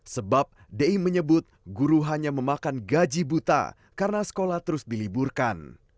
sebab di menyebut guru hanya memakan gaji buta karena sekolah terus diliburkan